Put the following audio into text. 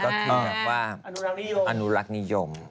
ก็คือแบบว่าอนุรักษ์นิยมอืมอื้อเอออนุรักษ์นิยม